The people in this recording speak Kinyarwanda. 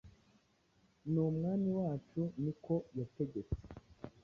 N’Umwami wacu ni ko yategetse,